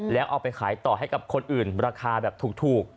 แล้วเอาไปขายต่อให้กับคนอื่นราคาแบบถูก